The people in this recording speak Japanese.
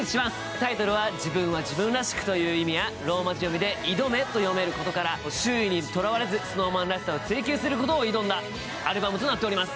タイトルは、自分は自分らしくという意味や、ローマ字読みで「挑め」と読めることから周囲にとらわれずＳｎｏｗＭａｎらしくできるアルバムとなっています。